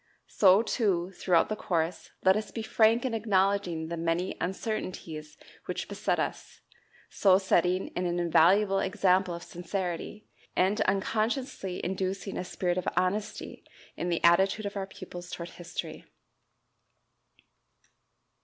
So, too, throughout the course, let us be frank in acknowledging the many uncertainties which beset us, so setting an invaluable example of sincerity, and unconsciously inducing a spirit of honesty in the attitude of our pupils toward history.